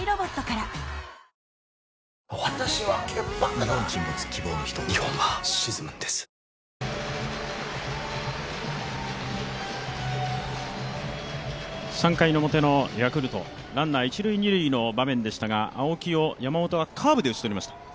そしてまたまっすぐ、そして今、３回目の表のヤクルトランナー一・二塁の場面でしたが青木を山本はカーブで打ち取りました。